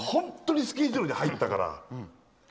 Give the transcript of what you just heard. スケジュールで入ったから。